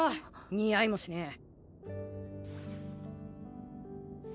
似合いもしねえ。